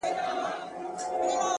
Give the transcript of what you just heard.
وجود پرېږدمه! روح و گلنگار ته ور وړم!